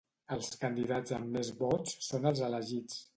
Els candidats amb més vots són els elegits.